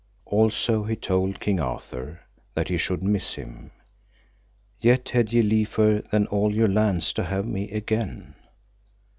Also he told King Arthur that he should miss him,—Yet had ye liefer than all your lands to have me again.